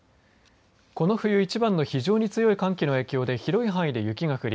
この冬一番の非常に強い寒気の影響で広い範囲に雪が降り